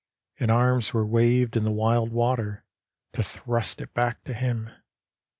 And arms were waved in the wild water To thrust it back to him.